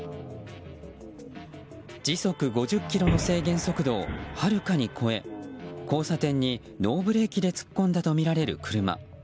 時速５０キロの制限速度をはるかに超え交差点にノーブレーキで突っ込んだとみられる車。